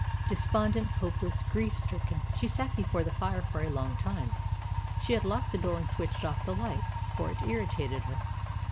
Despondent, hopeless, grief stricken, she sat before the fire for a long time. She had locked the door and switched off the light, for it irritated her.